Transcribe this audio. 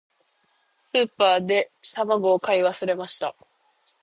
スーパーで卵を買い忘れました。